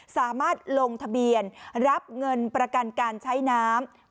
สามารถลงทะเบียนรับเงินประกันการใช้น้ำ